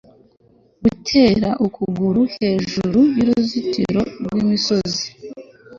Gutera ukuguru hejuru yuruzitiro rwimisozi